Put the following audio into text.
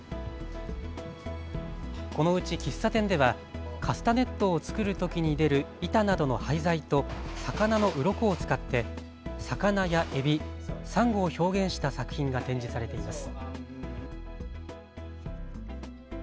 このうち喫茶店ではカスタネットを作るときに出る板などの廃材と魚のうろこを使って魚やえび、サンゴを表現した作品が展示されています。